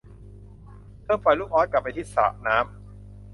เธอปล่อยลูกอ๊อดกลับไปที่สระน้ำ